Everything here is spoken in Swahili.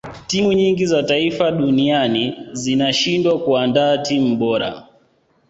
timu nyingi za taifa duninai zinashindwa kuandaa timu bora